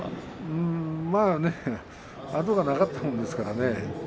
まあとにかく後がなかったもんですからね。